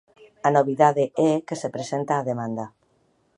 A novidade é que se presenta a demanda.